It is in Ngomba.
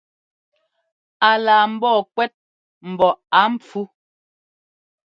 A laa mbɔɔ kuɛ́t mbɔ á npfú.